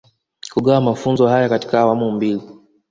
Kugawa mafunzo haya katika awamu mbili